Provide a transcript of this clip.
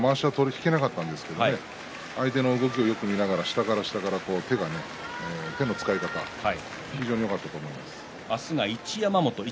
引けなかったんですけれども相手の動きをよく見ながら下から下から手の使い方非常によかったと思います。